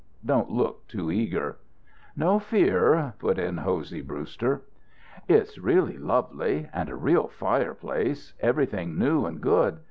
Don't look too eager." "No fear," put in Hosey Brewster. "It's really lovely. And a real fireplace. Everything new and good.